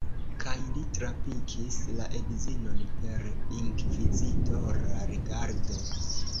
Kaj li trapikis la edzinon per inkvizitora rigardo.